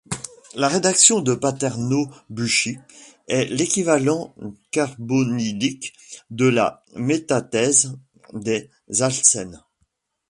La réaction de Paternò-Büchi est l'équivalent carbonylique de la métathèse des alcènes.